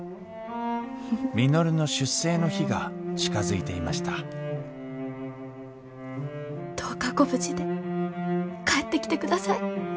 稔の出征の日が近づいていましたどうかご無事で帰ってきてください。